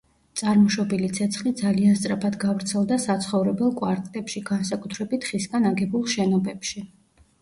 წარმოშობილი ცეცხლი ძალიან სწრაფად გავრცელდა საცხოვრებელ კვარტლებში, განსაკუთრებით ხისგან აგებულ შენობებში.